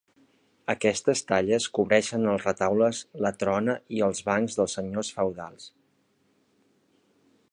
Aquestes talles cobreixen els retaules, la trona i els bancs dels senyors feudals.